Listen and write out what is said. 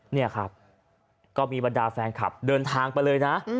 นี่ครับก็มีบรรดาแฟนคลับเดินทางไปเลยนะ